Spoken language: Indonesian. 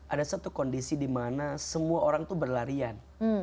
ada satu kondisi dimana semua orang tuh berlarian